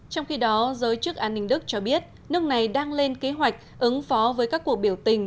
trong khi đó giới chức an ninh đức cho biết nước này đang lên kế hoạch ứng phó với các cuộc biểu tình